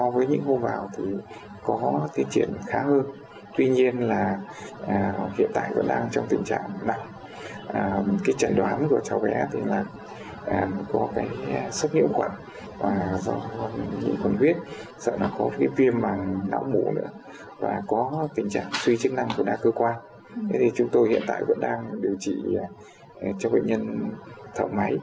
và có tình trạng suy chức năng của đa khoa sanh pôn chúng tôi hiện tại vẫn đang điều trị cho bệnh nhân thẩm máy